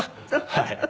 はい。